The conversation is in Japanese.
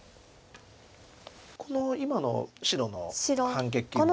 この今の白の反撃も。